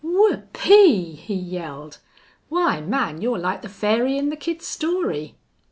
"Whoop ee!" he yelled. "Why, man, you're like the fairy in the kid's story!